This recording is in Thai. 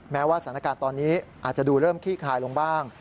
แม้ว่าสถานการณ์ตอนนี้อาจจะดูเริ่มขี้คายลงบ้าง